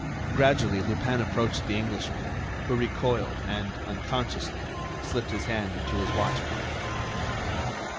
Gradually Lupin approached the Englishman, who recoiled, and, unconsciously, slipped his hand into his watch pocket.